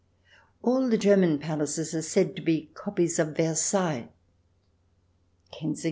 All the German palaces are said to be copies of Versailles ; Kensing CH.